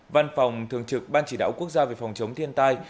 văn phòng thường trực ban chỉ đạo quốc gia về phòng chống thiên tai